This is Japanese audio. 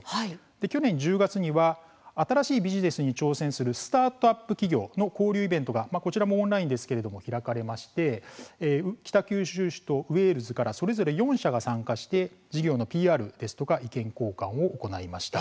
去年１０月には新しいビジネスに挑戦するスタートアップ企業の交流イベントが、こちらもオンラインで開かれまして北九州市とウェールズからそれぞれ４社が参加して事業のＰＲですとか意見交換を行いました。